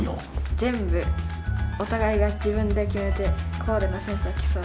全部お互いが自分で決めてコーデのセンスを競う。